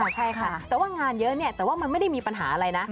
ใช่ค่ะแต่ว่างานเยอะเนี่ยแต่ว่ามันไม่ได้มีปัญหาอะไรนะ